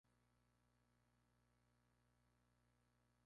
Dichas brácteas son persistentes.